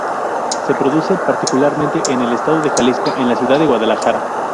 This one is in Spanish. Se produce particularmente en el estado de Jalisco, en la ciudad de Guadalajara.